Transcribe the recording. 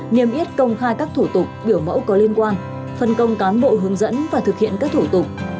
niêm yết công khai các thủ tục biểu mẫu có liên quan phân công cán bộ hướng dẫn và thực hiện các thủ tục